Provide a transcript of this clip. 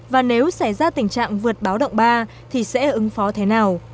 và nếu xảy ra tình trạng vượt báo động ba thì sẽ ứng phó thế nào